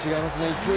勢い